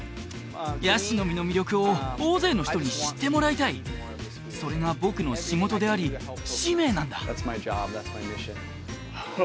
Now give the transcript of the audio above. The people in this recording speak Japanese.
ヤシの実の魅力を大勢の人に知ってもらいたいそれが僕の仕事であり使命なんだ